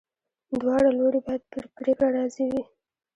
دواړه لوري باید په پریکړه راضي وي.